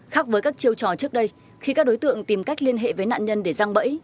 khác với các chiêu trò trước đây khi các đối tượng tìm cách liên hệ với nạn nhân để răng bẫy